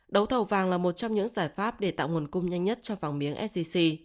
đấu thầu vàng là một trong những giải pháp để tạo nguồn cung nhanh nhất cho vàng miếng sgc